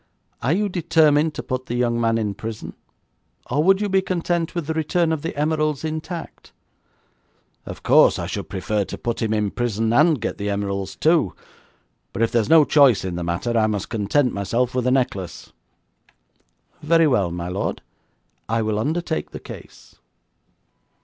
Are you determined to put the young man in prison, or would you be content with the return of the emeralds intact?' 'Of course I should prefer to put him in prison and get the emeralds too, but if there's no choice in the matter, I must content myself with the necklace.' 'Very well, my lord, I will undertake the case.'